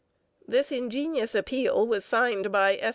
This ingenious appeal was signed by S.